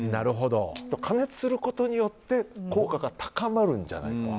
きっと加熱することによって効果が高まるんじゃないかと。